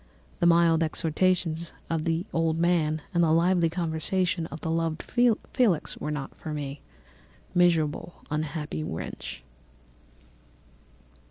The mild exhortations of the old man and the lively conversation of the loved Felix were not for me. Miserable, unhappy wretch!